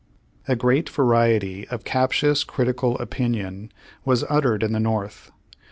A great variety of captious critical opinion was uttered in the North.